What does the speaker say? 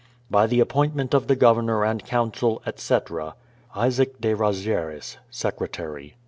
By the appointment of the Governor and Council, etc. ISAAC DE RASIERES, Secretary.